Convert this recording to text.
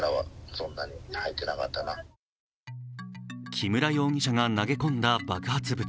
木村容疑者が投げ込んだ爆発物。